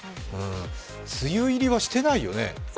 梅雨入りはしてないよね？